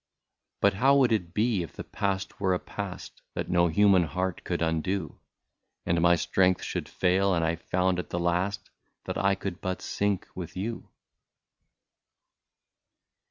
" But how would it be, if the past were a past, That no human love could undo. And my strength should fail, and I found at the last That I could but sink with you